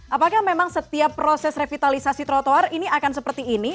apakah memang setiap proses revitalisasi trotoar ini akan seperti ini